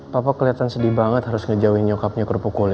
papa keliatan sedih banget harus ngejauhin nyokapnya kerupuk kulit